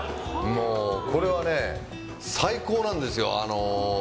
これはね、最高なんですよ。